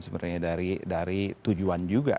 sebenarnya dari tujuan juga